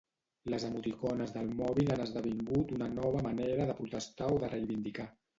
Les emoticones del mòbil han esdevingut una nova manera de protestar o de reivindicar.